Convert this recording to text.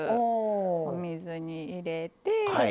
お水に入れて。